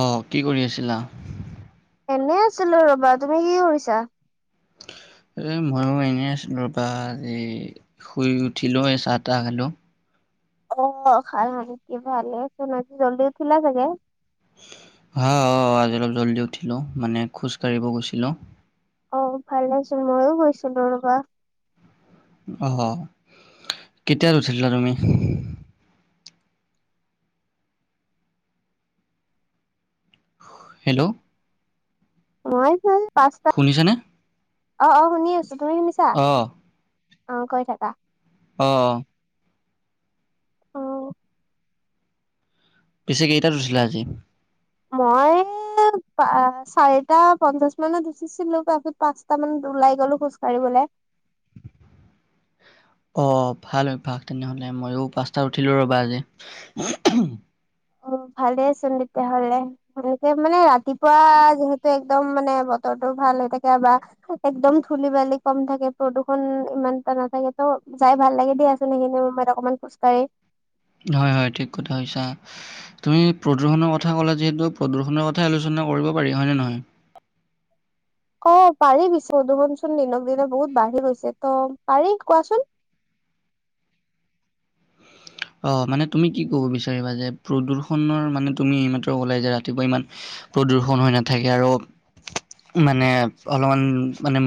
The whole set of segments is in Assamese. অ' কি কৰি আছিলা? এনেই আছিলো ৰবা তুমি কি কৰিছা? এই মইয়ো এনেই আছিলো পাই আজি, শুই উঠিলো এই চাহ- তাহ খালো। অ' খাই মেলি ভালে আছে আজি জল্দি উঠিলা চাগে? হ অ' আজি অলপ জল্দি উঠিলো মানে খোজ কাঢ়িব গৈছিলো। অ' ভাল নাছিল ময়ো গৈছিলো ৰবা। অ' কেইটাত উঠিছিলা তুমি? হেল্ল'? মই পাঁচ শুনিছেনে? অ', অ' শুনি আছো তুমি শুনিছা অ অ কৈ থাকা। অ', অ', পিছে কেইটাত উঠিলা আজি? মই চাৰিটা পঞ্চাশ মানত উঠিছিলো তাৰপিছত পাঁচটা মানত ওলাই গ'লো খোজ কাঢ়িবলে অ' ভাল অভ্যাস তেনেহলে ময়ো পাঁচটা উঠিলো ৰ'বা আজি। উম, ভালেই চোন তেতিয়াহ'লে। তাকে মানে ৰাতিপুৱা যিহেতু একদম মানে বতৰটো ভাল হৈ থাকে বা একদম ধূলি বালি কম থাকে প্ৰদূষণ ইমান এটা নাথাকে তো যাই ভাল লাগে দিয়া। এইখিনি অকমান খোজকাঢ়ি হয়, হয় ঠিক কথা কৈছা তুমি প্ৰদূষণৰ কথা ক'লে যিহেতু প্ৰদূষণৰ কথাই আলোচনা কৰিব পাৰি হয়নে নহয়। অ' পাৰি পিছে প্ৰদূষণ চোন দিনক দিনে বহুত বাঢ়ি গৈছে ত পাৰি কোৱাচোন? অ' মানে তুমি কি ক'ব বিচাৰিবা যে প্ৰদূষণৰ মানে তুমি এইমাত্ৰ ওলাই যে ৰাতিপুৱা ইমান প্ৰদূষন হৈ নাথাকে আৰু মানে অলপমান মানে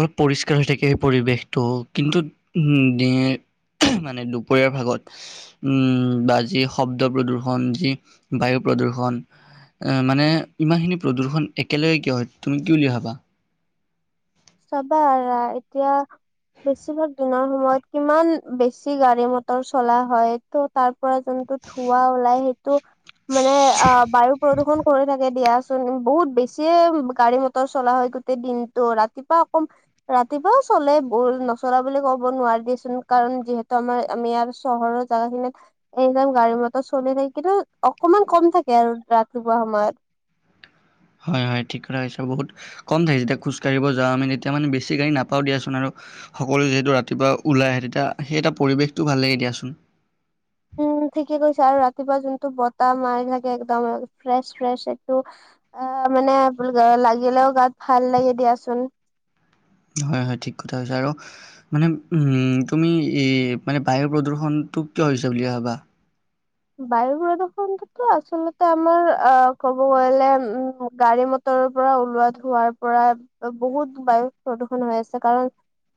অলপ পৰিষ্কাৰ হৈ থাকে সেই পৰিৱেশটো কিন্তু মানে দুপৰীয়াৰ ভাগত উম, বা যি শব্দ প্ৰদূ্ষন, যি বায়ু প্ৰদূৰ্ষন অ' মানে ইমান খিনি প্ৰদূষণ একেলগে কিয় হয় তুমি কি বুলি ভাবা? চাবা এতিয়া বেছিভাগ দিনৰ সময়ত কিমান বেছি গাড়ী মটৰ চলা হয় ত' তাৰ পৰা যোনটো ধুৱা ওলাই সেইটো মানে অ' বায়ু প্ৰদূষণ হৈ থাকে দিয়া। বহুত বেছিয়ে গাড়ী মটৰ চলা হয় গোটেই দিনটো ৰাতিপুৱা অকম ৰাতিপুৱাও চলে বহুত নচলা বুলি ক'ব নোৱাৰ দিয়চোন কাৰণ যিহেতু আমাৰ আমি ইয়াৰ চহৰত জোগা খিনিত এইজন গাড়ী মটৰ চলি থাক কিন্তু অকমান কম থাকে আৰু ৰাতিপুৱা সময়ত। হয়, হয় ঠিক কথা হৈছে বহুত কম থাকি যেতিয়া খোজকাঢ়িব যাওঁ আমি তেতিয়া মানে বেছি গাড়ী নাপাওঁ দিয়াচোন আৰু সকলোৱে যিহেতু ৰাতিপুৱা ওলাই আহে তেতিয়া সেই এটা পৰিৱেশটো ভাল লাগে দিয়াচোন। উম, ঠিকে কৈছা আৰু ৰাতিপুৱা যোনটো বতাহ মাৰি থাকে একদম ফ্ৰেছ ফ্ৰেছ একটো অ' মানে লাগিলেও গাত ভাল লাগে দিয়াচোন। হয়, হয় ঠিক কথা কৈছা আৰু মানে উম, তুমি এ মানে বায়ুৰ প্ৰদূষণটো কিয় হৈছে বুলি ভাবা? বায়ু প্ৰদূষণতো আচলতে আমাৰ অ' ক'ব গলে উম গাড়ী ম তৰ পৰা ওলোৱা ধোৱাৰ পৰা বহুত বায়ু প্ৰদূষন হৈ আছে কাৰণ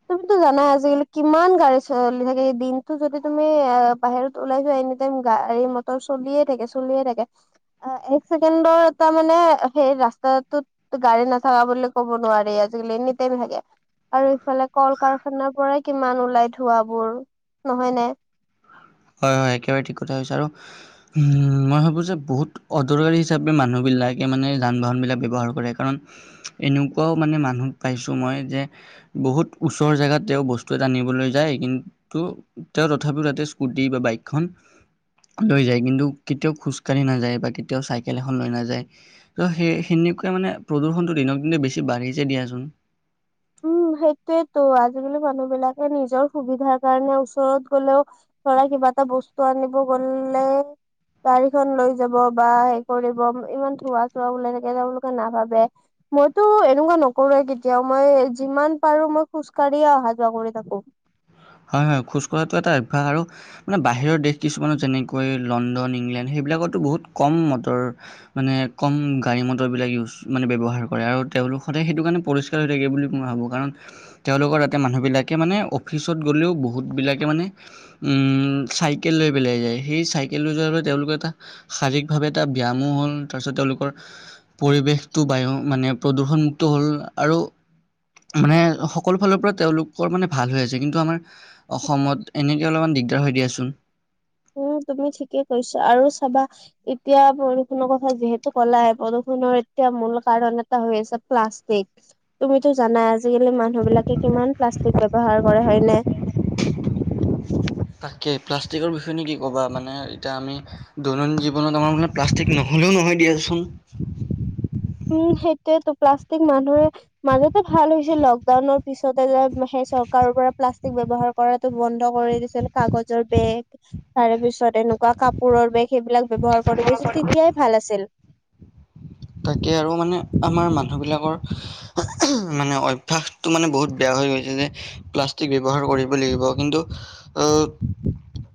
তুমিতো জানাই আজিকালি কিমান গাড়ী চলি থাকে দিনতটো যদি তুমি অ' বাহিৰত ওলাই যোৱা এনি টাইম গাড়ী মটৰ চলিয়ে থাকে চলিয়ে থাকে। অ' এক চছেকেণ্ডৰ এটাৰ মানে সেই ৰাস্তাটোত ত গাড়ী নাথাকা বুলি ক'ব নোৱাৰি! আজিকালি এনিটাইম থাকে! আৰু ইফালে কল কাৰখানা পৰাই কিমান ওলাই ধোঁৱাবোৰ নহয় নে। হয়, হয়! একেবাৰে ঠিক কথা কৈছা আৰু উ মই ভাবো যে বহুত অদৰকাৰী হিচাপে মানুহবিলাকে মানে যান বাহন বিলাক ব্যৱহাৰ কৰে! কাৰণ এনেকুৱাও মানে মানুহ পাইছোঁ! মই যে বহুত ওচৰ জেগাত তেওঁ বস্তু এটা আনিবলৈ যায়! কিন্তু তেওঁ তথাপিও তাতে স্কুটি বা বাইকখন লৈ যায়! কিন্তু কেতিয়াও খোজকাঢ়ি নাযায়! বা কেতিয়াও চাইকেল এখন লৈ নাযায়! ত' সেই সেনেকুৱে মানে প্ৰদূষণটো দিনক দিন বেছি বাঢ়িছে দিয়াচোন। উম, সেইটোয়েতো আজিকালি মানুহবিলাকে নিজৰ সুবিধাৰ কাৰণে ওচৰত গ'লেও ধৰা কিবা এটা বস্তু আনিব গ'ল্লে গাড়ীখন লৈ যাব বা হেৰি কৰিব, ইমান ধোঁৱা- চোৱা ওলাই থাকে, তেওঁলোকে নাভাবে। মইতো এনেকুৱা নকৰোৱে কেতিয়াও। মই, যিমান পাৰোঁ, মই খোজ কাঢ়িয়ে, অহা- যোৱা কৰি থাকোঁ। হয়, হয়! খোজ কঢ়াটো এটা অভ্যাস আৰু মানে, বাহিৰৰ দেশ কিছুমানৰ যেনেকৈ, লণ্ডন- ইংলেণ্ড সেইবিলাকতো, বহুত কম মটৰ। মানে, কম গাড়ী মটৰবিলাক ইউজ, মানে ব্যৱহাৰ কৰে আৰু তেওঁলোক, সদায় সেইটো কাৰণে, পৰি পৰিস্কাৰ হৈ থাকে বুলি মই ভাবো! কাৰণ, তেওঁলোকৰ তাতে, মানুহবিলাকে মানে, অফিচ অফিচত গ'লেও বহুতবিলাকে মানে, উম! চাইকেল লৈ পেলাই যায়। সেই, চাইকেল লৈ যোৱাৰ বাবে, তেওঁলোকে এটা শাৰীৰিকভাৱে এটা ব্যায়ামো হ'ল। তাৰপিছত, তেওঁলোকৰ পৰিৱেশটো, বায়ু মানে, প্ৰদূষণমুক্ত হ'ল আৰু মানে, সকলো ফালৰ পৰা তেওঁলোকৰ মানে, ভাল হৈ আছে। যে কিন্তু আমাৰ, অসমত এনেকে, অলপমান দিগদাৰ হৈ দিয়াচোন! উম, তুমি ঠিকে কৈছা! আৰু চাবা! এতিয়া, প্ৰদূষণৰ কথা যিহেতু ক'লাই, প্ৰদূষণৰ এতিয়া মূল কাৰণ, এটা হৈ আছে, প্লাষ্টিক। তুমিতো জানাই! আজিকালি মানুহ বিলাকে, কিমান প্লাষ্টিক ব্যৱহাৰ কৰে! হয়নে? তাকেই, প্লাষ্টিকৰ বিষয়ে নো কি ক'বা! মানে, এতিয়া আমি দৈনন্দিন জীৱনত, আমাৰ মানে, প্লাষ্টিক নহ'লেও নহয় দিয়াচোন। উম, সেইটোৱতো! প্লাষ্টিক মানুহে মাজতে ভাল হৈছিল! লকডাউনৰ পিছতে যে, সেই চৰকাৰৰ পৰা প্লাষ্টিক ব্যৱহাৰ কৰাতো বন্ধ কৰি দিছিল, কাগজৰ বেগ। তাৰে পিছত, এনেকুৱা কাপ কাপোৰৰ বেগ, সেইবিলাক ব্যৱহাৰ কৰি, [unintelligible] তেতিয়াই ভাল আছিল! তাকে আৰু মানে, আমাৰ মানুহবিলাকৰ মানে, অভ্যাসতটো মানে, বহুত বেয়া হৈ গৈছে, যে। প্লাষ্টিক ব্যৱহাৰ কৰিব লাগিব। কিন্তু, আঁ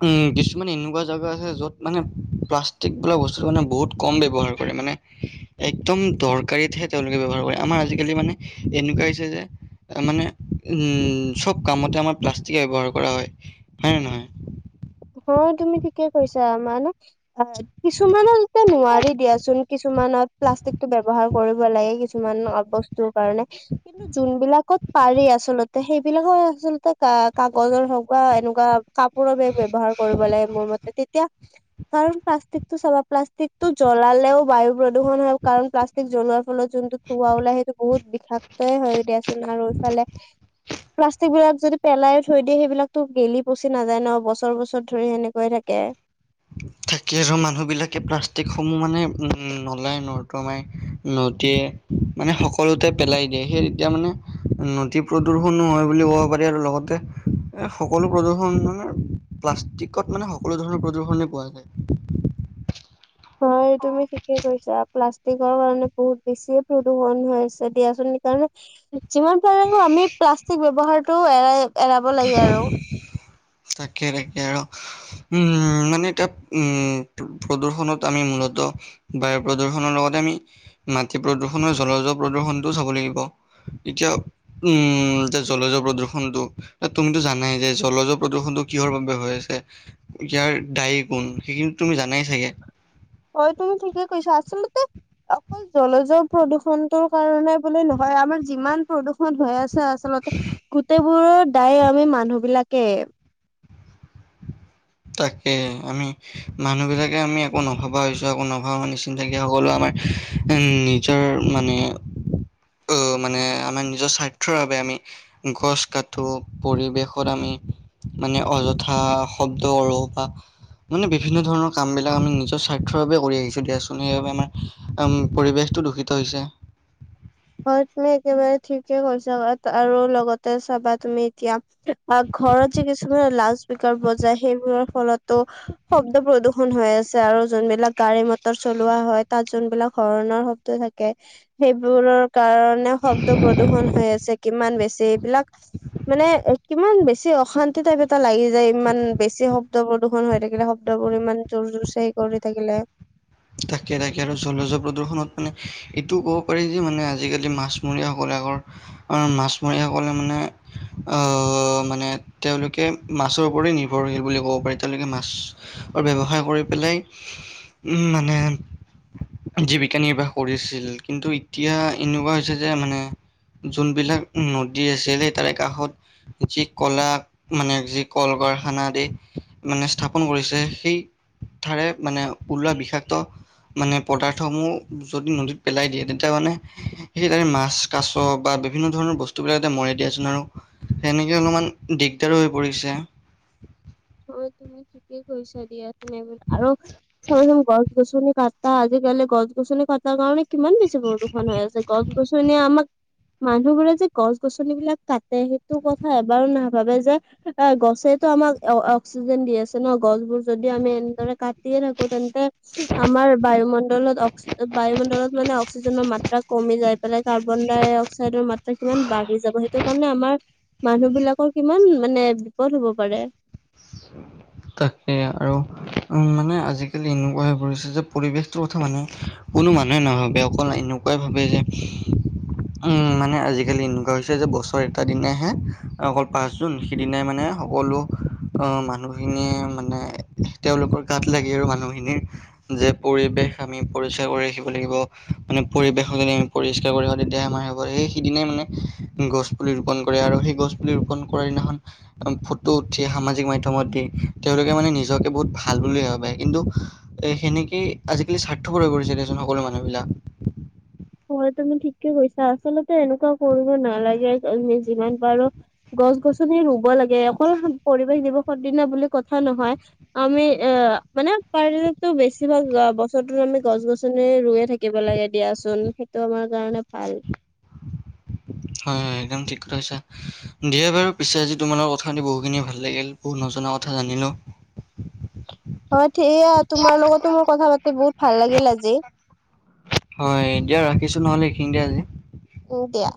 উম, কিছুমান এনেকুৱা জাগা আছে, য'ত মানে, প্লাষ্টিক বোলা বস্তুটো মানে, বহুত কম ব্যৱহাৰ কৰে মানে। একদম দৰকাৰীতহে তেওঁলোকে ব্যৱহাৰ কৰে। আমাৰ আজিকালি মানে, এনেকুৱা হৈছে যে, মানে, উম! চব কামতে আমাৰ, প্লাষ্টিক ব্যৱহাৰ কৰা হয়। হয় নে নহয়? অ'! তুমি ঠিকে কৈছা! আমাৰনো [unintelligible] কিছুমানত এতিয়া, নোৱাৰি দিয়াচোন। কিছুমানত, প্লাষ্টিকটো ব্যৱহাৰ কৰিব লাগে, কিছুমান বস্তু বস্তু কাৰণে। কিন্তু যোনবিলাকত পাৰি আচলতে, সেইবিলাকৰ আচলতে, কা কাগজৰ হওঁক বা এনেকুৱা কাপোৰৰ বেগ ব্যৱহাৰ কৰিব লাগে, মোৰ মতে। তেতিয়া, কাৰণ, প্লাষ্টিকটো চাবা! প্লাষ্টিকটো জ্বলালেও বায়ু প্ৰদূষণ হয়। কাৰণ, প্লাষ্টিক জ্বলোৱাৰ ফলত যোনটো ধোঁৱা ওলায়, সেইটো বহুত বিষাক্তই হয়! দিয়াচোন আৰু এইফালে প্লাষ্টিক বিলাক যদি, পেলাই থৈ দিয়ে, সেইবিলাকতো, গেলি-পচি নাযায় ন' বস্তু। বছৰ-বছৰ ধৰি সেনেকোৱাই থাকে। [unintelligible] কিছু মানুহবিলাকে, প্লাষ্টিকসমূহ মানে, নলাই- নৰ্দমাই, নদীয়ে মানে, সকলোতে পেলাই দিয়ে। সেই তেতিয়া মানে, নদী প্ৰদূষনো হয় বুলি ক'ব পাৰি আৰু লগতে এ, সকলো প্ৰদূষণ মানে, প্লাষ্টিকত মানে, সকলো ধৰণৰ প্ৰদূ প্ৰদূষণে পোৱা যায়। হয়, তুমি ঠিকে কৈছা! প্লাষ্টিকৰ কাৰণে বহুত বেছিয়ে প্ৰদূষণ হৈ আছে দিয়াচোন! সেই কাৰণে, যিমান পাৰো আমি প্লাষ্টিক ব্যৱহাৰটো এৰাই এৰাব লাগে আৰু তাকে তাকে আৰু উম মানে এতিয়া উম প্ৰদূষনত আমি মূলত বায়ু প্ৰদূ্ষনৰ লগতে আমি মাটি প্ৰদূ্ষণ আৰু জলজ প্ৰদূ্ষণটো চাব লাগিব, তেতিয়া উম এতিয়া জলজৰ প্ৰদূষণটো এ তুমিতো জানাই যে জলজ প্ৰদূষণটো কিহৰ বাবে হৈ আছে? ইয়াৰ দায়ী কোন, সেইখিনি তুমি জানাই চাগে হয় তুমি ঠিকে কৈছা আচলতে অকল জলজৰ প্ৰদূষণটোৰ কাৰণে বোলে নহয় আমাৰ যিমান প্ৰদূষণ হৈ আছে আচলতে গোটেইবোৰৰ দায়ী আমি মানুহ বিলাকে তাকে আমি মানুহবিলাকে আমি একো নভবা হৈছো একো নভাবা নিচিন্তাকে সকলো আমাৰ উম নিজৰ মানে অহ মানে আমাৰ নিজৰ স্বাৰ্থৰ বাবে আমি গছ কাটো, পৰিৱেশত আমি মানে অযথা শ ব্দ কৰো বা মানে বিভিন্ন ধৰণৰ কামবিলাক আমি নিজৰ স্বাৰ্থৰ বাবে কৰি আহিছো দিয়াচোন সেইবাবে আমাৰ কাম পৰিৱেশটো দূষিত হৈছে হয় তুমি একেবাৰে ঠিকেই কৈছা আৰু লগতে চাবা তুমি এতিয়া ঘৰত যে কিছুমানে লাউড স্পীকাৰ বজায় সেইবোৰৰ ফলতো শব্দ প্ৰদূষন হৈ আছে আৰু যোনবিলাক গাড়ী মটৰ চলোৱা হয় তাত যোনবিলাক হৰণৰ শ ব্দ থাকে সেইবোৰৰ কাৰণে শব্দ প্ৰদূষণ হৈ আছে কিমান বেছি এইবিলাক মানে কিমান বেছি অশা ন্তি টাইপ এটা লাগি যায় ইমান বেছি শব্দ প্ৰদূষণ হৈ থাকিলে শব্দবোৰ ইমান জোৰ জোৰ চাই কৰি থাকিলে। তাকে তাকে আৰু জলজ প্ৰদূষণত মানে এইটোও ক'ব পাৰি যে মানে আজিকালি মাছমৰীয়াসকলে আগৰ মাছমৰীয়াসকলে মানে আ মানে তেওঁলোকে মাছৰ ওপৰতে নিৰ্ভৰশীল বুলি ক'ব পাৰি তেওঁলোকে মাছৰ ব্যৱসায় কৰি পেলাই উম মানে জীৱিকা নিৰ্বাহ কৰিছিল, কিন্তু এতিয়া এনেকোৱা হৈছে যে মানে যোনবিলাক নদী আছিলে তাৰে কাষত যি কলা মানে যি কল কাৰখানা আদি মানে স্থাপন কৰিছে সেই তাৰে মানে ওলোৱা বিষাক্ত মানে পদাৰ্থসমূহ যদি নদীত পেলাই দিয়ে তেতিয়া মানে সেই তাৰে মাছ, কাছ বা বিভিন্ন ধৰণৰ বস্তুবিলাকতে মৰে দিয়াচোন আৰু সেনেকে অলপমান দিগদাৰো হৈ পৰিছে। হয় তুমি ঠিকেই কৈছা দিয়া তুমি এইবোৰ আৰু চোৱা চোন গছ গছনি কাট তা আজিকালি গছ-গছনি কটাৰ কাৰণে কিমান বেছি প্ৰদূষণ হৈ আছে গছ-গছনিয়ে আমাক মানুহবোৰে যে গছ-গছনিবিলাক কাটে সেইটো কথা এবাৰো নাভাবে যে এ গছেতো আমাক অ অক্সিজেন দি আছে ন গছবোৰ যদি আমি এনেদৰে কাটিয়ে থাকো তে ন্তে আমাৰ বায়ুমণ্ডলত অক্স বায়ুমণ্ডলত মানে অক্সিজেনৰ মাত্ৰা কমি যাই পেলাই কাৰ্বন ডাই অক্সাইডৰ মা ত্ৰা কিমান বাঢ়ি যাব সেইটো কাৰণে আমাৰ মানুহ বিলাকৰ কিমান মানে বিপদ হব পাৰে। তাকে আৰু উম, মানে আজিকালি এনেকুৱা হৈ পৰিছে যে, পৰিৱেশটোৰ কথা মানে কোনো মানুহে নভাবে অকল এনেকা কাই [unintelligible] ভাবে যে উম, মানে আজিকালি এনেকুৱা হৈছে যে- বছৰ এটা দিনাইহে অকল পাছ জুন, সিদিনাই মানে সকলো অ, মানুহখিনিয়ে মানে তেওঁলোকৰ গাত লাগি আৰু মানুহখিনিৰ যে পৰিৱেশ আমি পৰিষ্কাৰ কৰি ৰাখিব লাগিব, মানে পৰিৱেশত যদি আমি পৰিষ্কাৰ কৰি ৰাখিব তেতিয়াহে হ'ব, সেই সিদিনাই মানে গছ- পুলি ৰোপণ কৰে, আৰু সেই গছ পুলি ৰোপণ কৰাৰ দিনাখন ফটো উঠি সামাজিক মাধ্যমত দি, তেওঁলোকে মানে নিজকে বহুত ভাল বুলি ভাবে কিন্তু এ, সেনেকে আজিকালি স্বাৰ্থ হৈ পৰিছে, দিয়াচোন সকলো মানুহবিলাক হয়, তুমি ঠিকে কৈছা। আচলতে এনেকুৱা কৰিব নালাগে, আমি যিমান পাৰো গছ -গছনি ৰুব লাগে, অকল পৰিৱেশ দিৱসৰ দিনা বুলি কথা নহয়। আমি অ, মানে পাৰিলেটো বেছিভাগ যোৱা বছৰটোত আমি গছ-গছনি ৰুইয়ে থাকি দিব লাগে দিয়াচোন, সেইটো আমাৰ কাৰণে ভাল। উ [unintelligible] হয়, হয়, একদম ঠিক কথা কৈছা, দিয়া বাৰু পিছে আজি তোমাৰ লগত কথা পাতি বহুখিনি ভাল লাগিল। বহু নজনা কথা জানিলোঁ। হয়, ঠিয়া, তোমাৰ লগতো মোৰ কথা পাতি বহুত ভাল লাগিল আজি। হয়, এতিয়া ৰাখিছোঁ, নহ'লে এইখিনি দিয়া আজি উম, দিয়া।